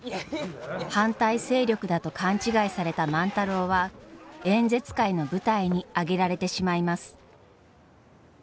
反対勢力だと勘違いされた万太郎は演説会の舞台に上げられてしまいます。